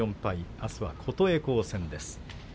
あすは琴恵光戦です。